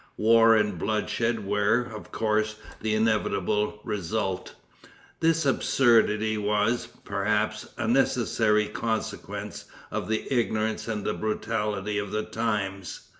War and bloodshed were, of course, the inevitable result. This absurdity was, perhaps, a necessary consequence of the ignorance and brutality of the times.